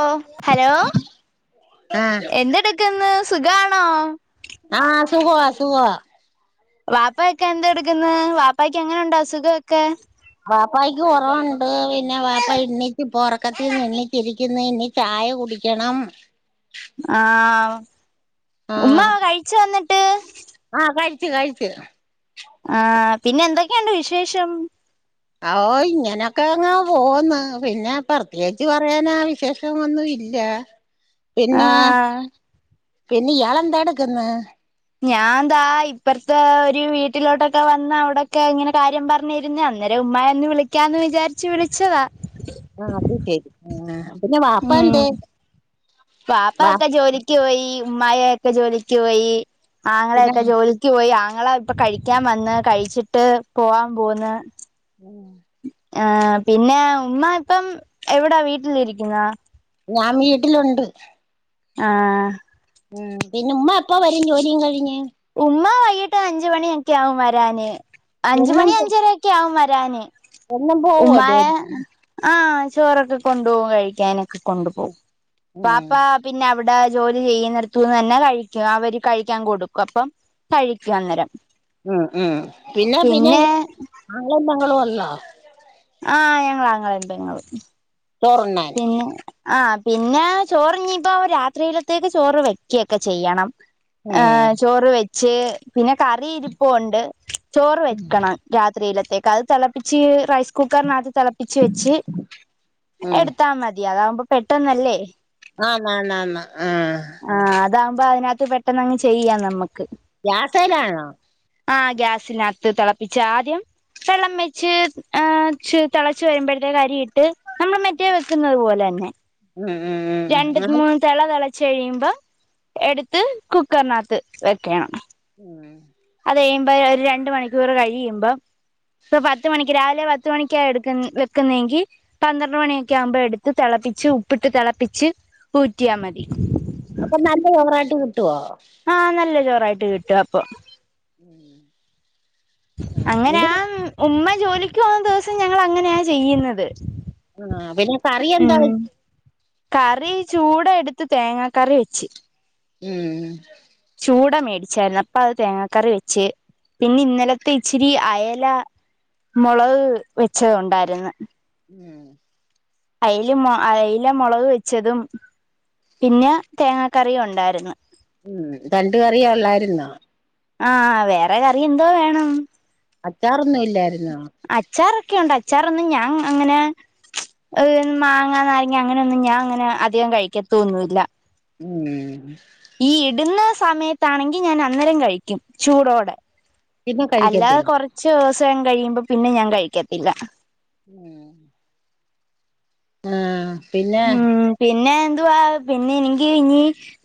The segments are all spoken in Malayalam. ഓ ഹലോ ആഹ് എന്തെടുക്കന്ന് സുഖമാണോ ആഹ് സുഖവാ സുഖവാ വാപ്പ ഒക്കെ എന്താ എടുക്കന്ന് വാപ്പക്ക് എങ്ങനെുണ്ട്ോ അസുഖൊക്കെ വാപ്പക്ക് കുറവുണ്ട് പിന്നെ വാപ്പ ഇണ്ണിച്ച് പോറക്കത്തിന്ന് ഇണ്ിച്ചിരിക്കുന്നു ഇ ചായ കുടിക്കണം ആ ഉ്മ്മ കഴിച്ച വന്നിട്ട് ആഹ കഴിച്ചു കഴിച്ചു ആഹ പിന്നെ എന്തൊക്കെയുണ്ട് വിശേഷം ഓ ഇങ്ങനൊക്കെ അങ്ങാ പോന്ന് പിന്നെ പ്രത്യേകിച്ച് പറയാാനാ വിശേഷം വന്നു ഇല്ല ആഹ പിന്ന ഇയാളെന്താട് ക്കുന്നെ ഞാൻന്താ ഇപ്പറത്തെ ഒരു വീട്ടിലോട്ടൊക്കെ വന്ന അവിടൊക്കെ ഇങ്ങനെ കാര്യം പറഞ്ഞിരുന്ന അന്നേരം അല്ല ഉ്മായി ഒന്ന് വിളിക്കാന്ന് വിചാരിച്ച് വിളിച്ചതാ ആഹ അത് ശരി ആ അപ്പന്നെ വാപ്പാ എന്തേ പാപ്പ വാ ഒക്കെ ജോലിക്ക് പോയി ഉമ്മായയൊക്കെ ജോലിക്ക് പോയി പിന്നെ ആങ്ങളെയൊക്കെ ജോലിക്ക് പോയി ഞങ്ങള ഇപ്പ കഴിക്കാൻ വന്ന് കഴിച്ചിട്ട് പോവാൻ പോന്ന് ആ പിന്നെ ഉമ്മ ഇപ്പം എവിടാ വീട്ടിലിരിക്കുന്ന ഞാൻ വീട്ടിലുണ്ട് ആഹ ഉം പിന്നെ ഉമ്മ എപ്പ വരും ജോലിയും കഴിഞ്ഞ് ഉന്മ വൈകിട്ട് അഞ്ച മണിയൊക്കെ ആകും വരാന് അഞ്ച് എന്നും മണി പോ അഞ്ചരൊക്കെ ആകും വരാന് എന്നും പോവോ ഉമാ ജോലി ആഹ ചോറൊക്കെ കൊണ്ടു പോവും കഴിക്കാന് കൊണ്ട് പോവും ഉം വാപ്പ പിന്നെ അടെ ജോലി ചെയ്യുന്നട്ത്തുന്ന് തന്നെ കഴിക്കും അവര് കഴിക്കാൻ കൊടുക്കും അപ്പം കഴിക്കും അന്നേരം ഉം ഉം പിന്നെ പിന്നെ ആളെ [unintelligible] ആഹ് ഞങ്ങളാങ്ങള പെങ്ങളും ചോറുണ്ണാൻ പിന്നെ ആഹ് പിന്നെ ചോറ് ഞ്ഞിപ്പ രാത്രിയിലത്തേക്ക് ചോറ് വെക്കൊക്കെ ചെയ്യണം ഉം ഏഹ ചോറ് വെച്ച് പിന്നെ കറി ഇരിപ്പുണ്ട് ചോറ് വെക്കണം രാത് രാത്രിയിലത്തേക്ക് അത് തിളപ്പിച്ച് റൈസ് കുക്കറിനകത്ത് തിളപ്പിച്ച് വെച്ച് ഉം എടു അത അതകുമ്പോ പെട്ടന്നല്ലേ ആണ്‌ ആണ് ആണ് ആഹ അതാവുമ്പോ അതിനകത്ത് പെട്ടെന്ന്ങ്ങ് ചെയ്യാം നമ്മുക്ക് ഗ്യാസയിലാണോ ആഹ ഗ്യാസിനകത്ത് തിളപ്പിച്ച് ആദ്യം വെള്ളം വെച്ച് തിളച്ച വരുമ്പോഴത്തെക്ക് അരി ഇട്ട് നമ്മൾ മെറ്റേ വെക്കുന്നത് പോലെ തന്നെ ഉം ഉം രണ്ട് ഉം ഉം മൂന്ന് തള തള ചഴിയുമ്പോ എടുത്ത് കുക്കറിനകത്ത് വെക്കണം ഉം ചെയ്യുമ്പഴേ രണ്ട് മണിക്കൂറ് കഴിയുമ്പൊ പ്പം പത്ത് മണിക്ക് രാവിൽത്തെ പത്ത് മണിക്കാ വെക്കുന്നതെങ്കിൽ പന്ത്ര മണിയൊക്കെ ആകുമ്പോൾ എടുത്ത് തിളപ്പച്ച് ഉപ്പട്ട് തിളപ്പിച്ച് ച്ച് ഊറ്റിയാൽ മതി അപ്പൊ നല്ല ചോറായിട്ട് കിട്ടുവോ ായിട്ട് കിട്ടു അപ്പൊ ഉം അങ്ങനെയ ഉമ്മ ജോലിക്ക് പോന്ന ദിവസം ഞങ്ങള അങ്ങനെയ ചെയ്യുന്നത് ആഹ പിന്നെ കറി എന്താ ഉം കറി ചൂട എടുത്ത് തേങ്ങാ കറി വെച്ച് ഉം ചൂട മേടിച്ചായിരുന്നു അപ്പ അത് തേങ്ങാക്കറി വെച്ച് പിന്നെ ഇന്നലത്തെ ഇച്ചിരി അയല മുളക് വെച്ചത് ഉണ്ടായിര്ന്ന് ഉം അയിൽ അയില മുളക് വെച്ചതും പിന്നെ തേങ്ങാ കറിയും ഉണ്ടായിര്ന്ന് ഉം രണ്ട് കറിയ ഉള്ളായിരുന്നോ ആഹ വേറെ കറി എന്തോ വേണം അച്ചാറൊന്നും ഇല്ലായിരുന്നോ ഒക്കെയണ്ട് അച്ചാറ ഒന്ന് ഞാൻ അങ്ങനെ മാങ്ങാ നാരങ്ങ അങ്ങനെയൊന്നും ഞാൻ അങ്ങനെ അധികം കഴിക്കത്തൊന്നില്ല ഉം ഈ ഇടുന്ന സമയത്താണെങ്കിൽ ഞാൻ അന്നേരം കഴിക്കും ചൂടോടെ പിന്നെ അല്ലാതെ കഴിക്കത്തില്ല കുറച്ചൂസം കഴിയുമ്പോ പിന്നെ ഞാൻ കഴിക്കത്തില്ല ഉം ആഹ പിന്നെ ഉം പിന്നെ എന്തുവാ പിന്നെ എനിക്കിനി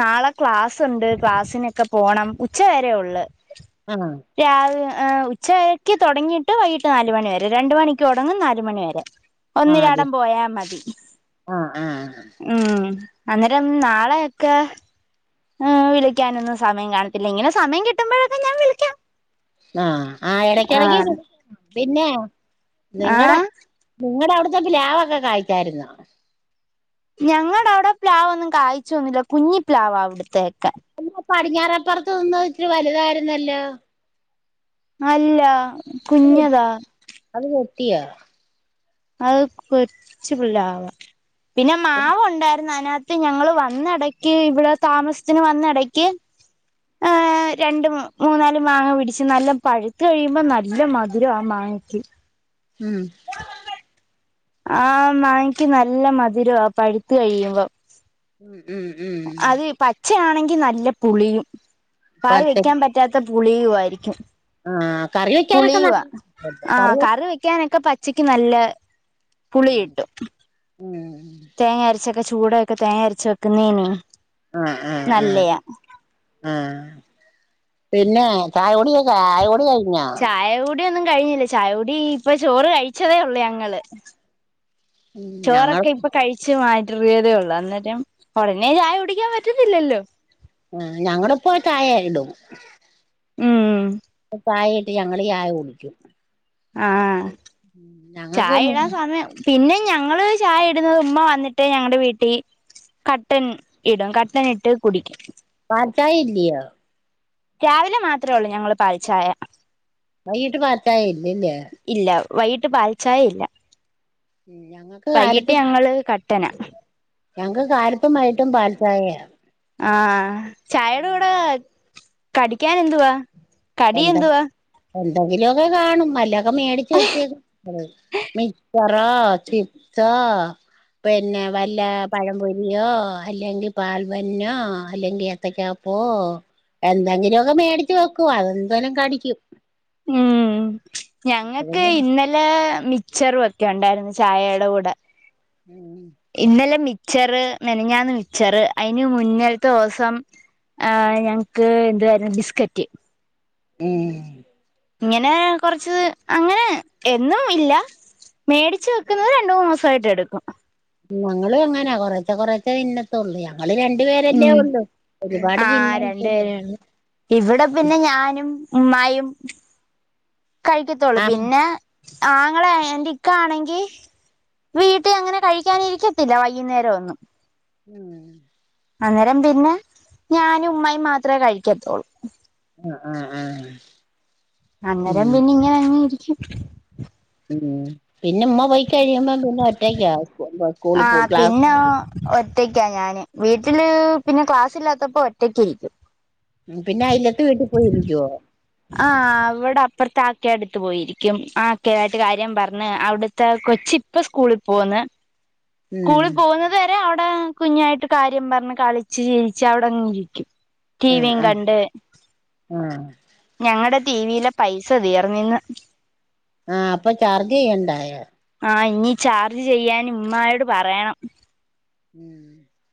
നാളെ ക്ലാസ്സുണ്ട് ക്ലാസിനൊക്കെ പോണം ഉച്ച വരെയുള്ളു ആഹ് രാവി ഹ് ഉച്ചയ്ക്ക് തുടങ്ങിയിട്ട് വൈകിട്ട് നാലുമാണി വരെ രണ്ടു മണിക്ക് തുടങ്ങും നാലുമണി വരെ ഒന്നിരാടം പോയാ മതി ആഹ ഉ അന്നേരം നാളെ ഒക്കെ ആ വിളിക്കാനൊന്നും സമയം കാണത്തില്ല ഇങ്ങനെ സമയം കിട്ടുമ്പോഴൊക്കെ ഞാൻ വിളിക്കാം ആഹ് ആ ഇടക്കിടക്ക് ആഹ് പിന്നെ നിങ്ങളടെ ആഹ് നിങ്ങളടെ അവിടത്തെ പ്പിലാവ് ഒക്കെ കഴിച്ചായിരുന്നോ ഞങ്ങളുടെ അവിടെ പ്ലാവ് ഒന്നും കായ്ച്ചു വന്നില്ല കുഞ്ഞി പ്ലാവാ ഇവിടെത്തെക പടിഞ്ഞാറപ്പുറത്ത് നിന്ന ഇച്ചിരി വലുതായിരുന്നല്ലോ അല്ല കുഞ്ഞതാ ത്തി്യ അത് കൊറച്ച് പിള്ള ആവാ പിന്നെ മാവുണ്ടായി ന്നതു ഞങ്ങൾ വന്നഇടക്ക ഇവിടെ തമാസത്തിനുവന്നിടക് ഹ് രണ്ട് മൂന്നാല് മാങ്ങ പിടിച്ച് നല്ല പഴുത്ത കഴിയുമ്പോ നല്ല മധുരം ആ മാങ്ങ ഉം ആഹ മാങ്ങക്ക് നല്ല മധുരവാ പഴുത്ത കഴിയുമ്പം ഉം ഉം ഉം അത് പച്ചയാണെങ്കി നല്ല പുളിയും വായേല് പത്ത് വെക്കാൻ പറ്റാത്ത പുളിയുവയിരിക്കും ആ കറി വെക്കാനൊക്കെ പുളിയുവാ നല്ല ആഹ വെ കറി വെക്കാനൊക്കെ പ ഉച്ചക്ക് നല്ല പുളി ഇട്ടും ഉം തേങ്ങ അരച്ചൊക്കെ ചൂടൊക്കെ തേങ്ങ അരച്ചൊക്കെ നീനി ആഹ ആഹ ആഹ ഉ പിന്നെ ചായകുടികൊ ചായകുടിയായി ചായകുടി ഒന്നും കഴിഞ്ഞില്ലേ ചായകൂടി ഇപ്പൊ ചോറ് കഴിച്ചതേഉള്ളൂ ഞങ്ങള് ഉം ഞങ്ങൾ ചോറൊക്കെ ഇപ്പൊ കഴിച്ചു ചെറിയതേ ഉള്ളൂ അന്നേരം ഉടനെ ചായ കുടിക്കാൻ പറ്റത്തില്ലല്ലോ ആ ഞങ്ങളേപ്പം ചായ ഇടും ഉം ചയായിട്ട് ഞങ്ങള് ചായ കുടിക്കും ആഹ ഞങ്ങക്ക് ചായ ഇടാൻ സമയം പിന്നെ ഞങ്ങള് ചായ ഇടുന്നത് ഉമ്മ വന്നിട്ട് ഞങ്ങളടെ വീട്ടിൽ കട്ടൻ ഇടും കട്ടനിട്ട് കുടിക്കും പാല്ചയായില്ലായോ രാവിലെ മാത്രേ ഉള്ളൂ ഞങ്ങൾ പാലിച്ചായ വൈകീട്ട് പാല്ചയായില്ലല്ലേ ഇല്ല വൈകിട്ട് പാല്ച്ചായി ഇല്ല ഞങ്ങക്ക് വൈകിട്ട് കാലത്തും ഞങ്ങള് കട്ടന ഞങ്ങക്ക് കാലത്തും വൈകീട്ടും പാല്ചായ ആണ് ആഹ ചായയുടെ കൂടെ കടിക്കാൻ എന്തുവാ കടി എന്ത എന്തുവാ എന്തെങ്കിലുമൊക്കെ കാണും മല്ലൊക്കെ മേടിച്ചു വെച്ചേക്ക പറാച്ചിത്ത പിന്നെ വല്ല പഴംപൊരിയോ അല്ലെങ്കിൽ പാൽബന്നോ അല്ലെങ്കിൽ ഏത്തക്കപ്പ ഓ എന്തെങ്കിലും ഒക്കെ മേടച്ച്ു വെക്കോ അതെന്തെലും കടിക്കും ഉം ഞങ്ങൾക്ക് ഇന്നലെ മക്ച്ചറും ഒക്കെ ഉണ്ടായിരുന്നു ചായയുടെ കൂടെ ഉം ഇന്നലെ മച്ചറ് നെനഞ്ഞാന്ന് മിച്ചറ് അയിന് മുന്നിലത്തെ ദിവസം ആ ഞങ്ങക്ക് എന്ത ക ബിസ്കറ്റ് ഉം ഇങ്ങനെ കൊറച്ച് അങ്ങനെ എന്നും ഇല്ല മേടിച്ചു വെക്കുന്നത് രണ്ട മൂന്ന് മാസമായിയിട്ട് എടുക്കും ഞങ്ങള്ും എങ്ങനാ കൊറച്ച കൊറച്ച ഇന്നത്തള്ളിയ നള് രണ്ടു പേരല്ലേ ഉം ഉള്ളു ഒരുപാട് ആഹ് രണ്ട് തിന്മാനിക്കല്ലേ പേരേ ഉള്ളൂ ഇവിടെ പിന്നെ ഞാനും ഉമ്യും കഴിക്കത്തോള്ളൂ ആഹ് പിന്നെ ആങ്ങളെ എന്റെ ഇക്ക ആണെങ്കി വീട്ടിൽ അങ്ങനെ കഴിക്കാനിരിക്കത്തില്ല വൈകുന്നേര ഒന്നും ഉം അന്നേരം പിന്നെ ഞാനും ഉമ്മായും മാത്രമേ കഴിക്കത്തുള്ളൂ അ അ അ അന്നേരം പിന്നെ ഇങ്ങനെ അങ്ങി ഇരിക്കും ഉ പിന്നെ ഉമ്മ പോയി കഴിയുമ്പ പിന്നെ ഒറ്റയ്ക്ക ആ പിന്നെ ഒറ്റക്കാ ഞാന് വീട്ട ട്ടില് പിന്നെ ക്ലാസ് ഇല്ലാത്തപ്പോ ഒറ്റക്കിരിക്കും ഉം പിന്നെ അയ്ലത്ത് വീട്ടി പോയി ഇരിക്കുവോ ആ അവിടെ അപ്പറത്തെ അക്കടെ ടുത്ത് പോയിരിക്കും ആ ആക്കെ ആയിട്ട് കാര്യം പറഞ്ഞ് അവിടുത്തെ കൊ ച്ച് ഇപ്പ സ്കൂളി പോന്ന് ഉം സ്കൂളി പോകുന്നത് വരെ അവിടെ കുഞ്ഞായിട്ട് കാര്യം പറഞ്ഞ് കളിച്ച് ചിരിച്ച് അവിടെങ്ങിരിക്കും ടീവിം കണ്ട് ആ ഞങ്ങളടെ ടീവിലെപൈസ തീർന്ന് ഇന്ന്. ആഹ് അപ്പൊ ചാർജ് ചെയ്യണ്ടായോ ആഹ് ഇനി ചാർജ് ചെയ്യാന് ഇമ്മാ നോട് പറയണം.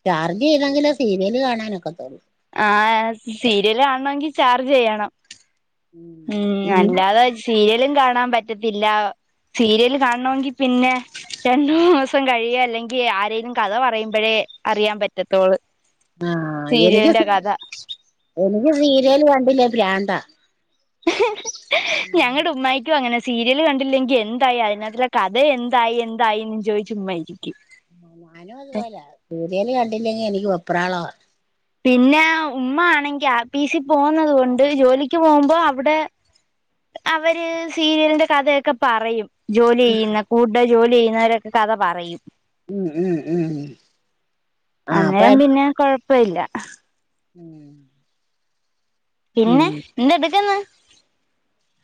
ചാർജ് ചെയ്തെങ്കിലെ സീരിയല് കാണാനൊക്കത്തൊള്ളു ആഹ് സീരിയൽ കാണണങ്കി ചാർജ് ചെയ്യണം ഉം ഇന്ന് അല്ലാതെ സീരിയലും കാണാൻ പറ്റത്തില്ല. സീരിയല് കാണണമെങ്കി പിന്നെ രണ്ടൂന്ന് ദിവസം കഴിയോ അല്ലെങ്കി ആരേങ്കലും കഥ പറയുമ്പഴേ അറിയാൻ പറ്റത്തോള് ആ എനിക്ക് സീരിയലിന്റെ സീ കഥ എനിക്ക് സീരിയല് കണ്ടില്ലേ പ്രന്താ ഞങ്ങടെ ഉമ്മായിക്കും അങ്ങനെ സ് സീരിയൽ കണ്ടില്ലെങ്കി എന്തായി അതിനകത്തുള്ള കഥ എന്തായി എന്തായിന്ന് ചോയിച്ച് ഉമ്മ ഇരിക്കും. ആ ഞാനും അതുപോലെ സീരിയല് കണ്ടില്ലെങ്കി എനിക്ക് വെപ്രാള പിന്നെ ഉമ്മ ആണെങ്കി ആപിസി പോകത്കൊണ്ട് ജോലിക്ക് പോകുമ്പോ അവിടെ അവര് സീരിയലിന്റെ കഥയൊക്കെ പറയും. ജോലി ചെയ്യുന്ന കൂടെ ജോലി ചെയ്യുന്നവരൊക്കെ കഥ പറയും ഉം ഉം ഉം ആഹ് അപ്പ അന്നേരം പിന്നെ കൊഴപ്പല്ല ഉം പിന്നെ ഉം എന്ത്‌ എടുക്ക്ന്ന്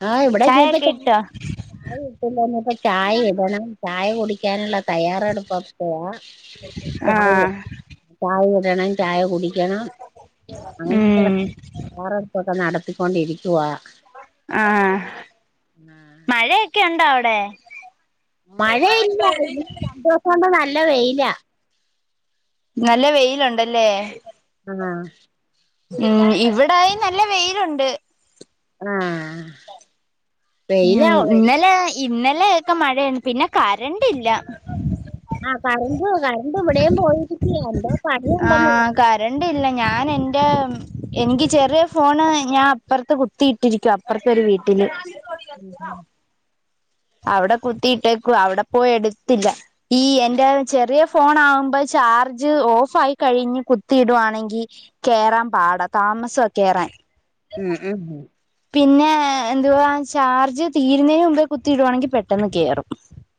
ആഹ് ഇവിടെക്കെ ഇട്ടോ ഇപ്പ ചായ ചായ ഇട്ടില്ല ചായ ഇടണം ചായ കുടിക്കാനുള്ള തയ്യാറെടുപ്പക്കെയ ചായെ ആഹ് ചായ [unintelligible] ചായ കുടിക്കണം അങ്ങ ഉം [unintelligible] ഇ നടത്തിക്കൊണ്ടിരിക്കവാ. ആ മഴയൊക്കെ ഉണ്ടോ അവിടെ മഴ ഇല്ല ഇന്ന രണ്ടു ദിവസം കൊണ്ട് നല്ല വെയില നല്ല വെയിലുണ്ടല്ലേ ആ ഉം ഇവിടായി നല്ല വെയിലുണ്ട് ആ മ് ഇന്നലെ ഇന്നലെ ഒക്കെ മഴയാണ് പിന്നെ കരണ്ട്ല്ല ആ കരമ്പ് കരണ്ട്് ഇവിടെയും പോയിരിക്കയാ [unintelligible] പറ ആകരണ്ടില്ല ഞാൻ എന്റെ എനിക്ക് ചെറിയ ഫോണ് ഞാൻ അപ്പുറത്ത് കുത്തിയിട്ടിരിക്കും അപ്പുറത്തെ ഒരു വീട്ടിൽ [unintelligible] [inaudible] അവിടെ കുത്തിയിട്ടേക്കു അവിടെ പോയി എടുത്തില്ല ഈ എന്റെ ചെറിയ ഫോൺ ആകുമ്പോ ചാർജ് ഓഫ് ആയി കഴിഞ്ഞ് കുത്തിയിടുുകവാണെങ്കിൽ കേയറാൻ പാട [unintelligible] താമസംൊക്കെ റാൻ മ്മ് മ് പിന്നെ എന്തുവാ ചാർജ് തീരുന്നതിന് മുമ്പേ കുത്തിയിടുവാണെങ്കിൽ പെട്ടെന്ന് കേയറും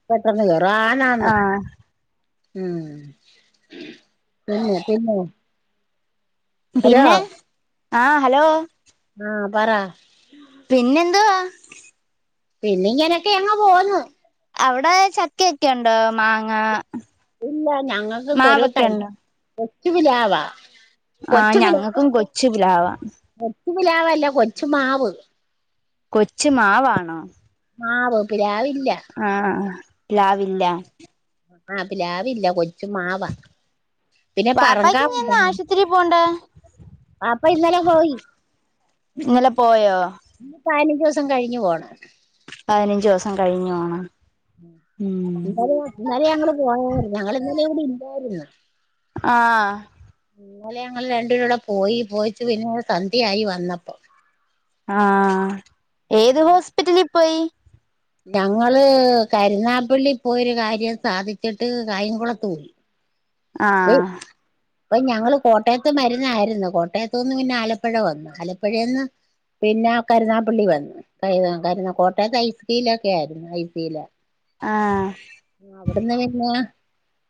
പെട്ടെന്ന് വറ ആനന്ന് മ് [unintelligible] പിന്നെ ആ ഹലോ ആ പറാ പിന്നെന്തവാ പിന്നെങ്ങനൊക്കെ എങ്ങങ് പോന്നു അവിടെ ചക്കൊകൊണ്ട് മാങ്ങ ഇല്ല ഞങ്ങൾക്ക് മാവൊക്കെ [unintelligible] ഉണ്ടോ കൊച്ചു ആ [unintelligible] ഞങ്ങൾക്കും കൊച്ചു പ്ലാവാ കൊച്ചു പിലാവല്ല കൊച്ചു മാവ് കൊച്ചു മാവാണോ ആവ് പി ലാവില്ല ആ ആ പ്ലാവില്ല ആ പി ലാവില്ല കൊ ച്ചു മാവ പിന്നെ പറങ്കാ പാപ്പാക്ക് ഇനി എന്നാ [unintelligible] ആശുപത്രി പോണ്ടേ അപ്പൊ ഇന്നലെ പോയി ഇന്നലെ പോയോ ഇനി പതിനഞ്ച് ദിവസം കഴിഞ്ഞു പോണം പതിനഞ്ച് ദിവസം കഴിഞ്ഞു പോണോ [unintelligible] ഇന്നലെ ഞങ്ങള് പോയരുന്ന ഞങ്ങ ഇന്നാലെ അടെ ഇല്ലായിരുന്ന ആ ഇന്നലെ ഞങ്ങള് രണ്ടുരെ കുടെ പോയി പോയിച്ച് പിന്നെ സന്ധ്യ ആയി വന്നപ്പോ ആ ഏത് ഹോസ്പിറ്റലിൽ പോയി ഞങ്ങള് കരുുന്നാപ്പള്ളി പോയൊരു കാര്യം സാധിച്ചിട്ട് കായംകുളത്ത പോയി ആ ഇപ്പൊ ഞങ്ങള് കോട്ടയത്ത് മരുന്നായിരുന്നു കോട്ടയത്ത നിന്ന് പിന്നെ ആലപ്പുഴ വന്നു ആലപ്പുഴയിന്ന് പിന്നെ കരുനാപ്പള്ളി വന്നു ക കരുന കോട്ടയത്ത് ഐസിയൂലെ ഒക്കെ ആയിരുന്നു ഐസില ആ ആ അവിടെന്നെ [unintelligible]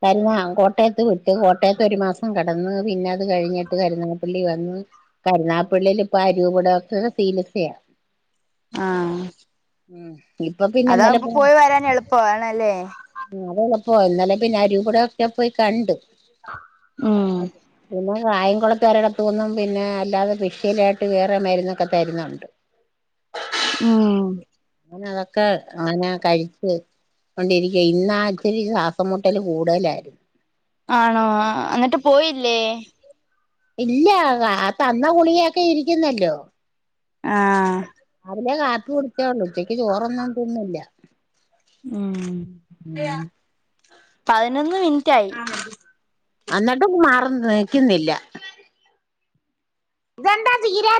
കരുന്നാ കോട്ടയത്ത് വിട്ടു കോട്ടയത്ത് ഒരു മാസം കിടന്ന് പിന്നെ അത് കഴിഞ്ഞിട്ട് കരുനാപ്പള്ളി വന്ന് കരുനാപ്പള്ളിൽ ഇപ്പ അരിവപടക്ക സീലിസയ ആ മ് ഇപ്പൊ പിന്നെ അതാവുമ്പോ [unintelligible] ആ അതള പോയി വരാൻ എളുപ്പവാണല്ലേ പോ ഇന്നലെ പിന്നെ അ രൂപട ഒക്കെ പോയി കണ്ടു മ്മ് [unintelligible] പിന്നെ അല്ലാതെ പിഷയിലായിട്ട് വേറെ മരുന്നൊക്കെ തരുന്നുണ്ട് [unintelligible] ആ [unintelligible] അതൊക്കെ അങ്ങനെ [unintelligible] കൊണ്ടിരിക്കയാ ഇന്ന് ആ ച്ചിരി ശ്വാസം മുട്ടല് കൂടുതലായിരുന്നു ആണോ? എന്നിട്ട് പോയില്ലേ? ഇല്ല തന്ന ഗുളിയൊക്കെ ഇരിക്കുന്നല്ലോ? ആഹ അലേ [unintelligible] പിടിച്ചള്ളൂ ഉച്ചക്ക് ചോറൊന്നുംണ്ടൊന്നില്ല. ഉം പതിനൊന്ന് മിനിറ്റ് ആയി അന്നിട്ട് മാറ [unintelligible] ക്കുന്നില്ല [unintelligible]